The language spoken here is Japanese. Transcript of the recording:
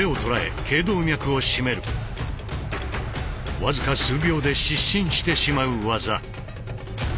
僅か数秒で失神してしまう技。